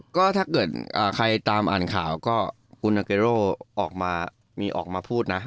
ก็ถ้าเกิดใครตามอ่านข่าวก็คุณนาเกโร่ออกมาพูดนะ